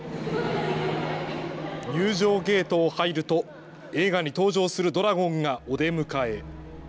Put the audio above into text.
入場ゲートを入ると映画に登場するドラゴンがお出迎え。